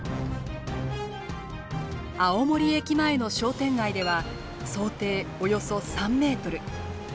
青森駅前の商店街では想定およそ３メートル。